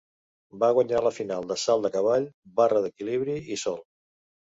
Va guanyar la final de salt de cavall, barra d'equilibri i sòl.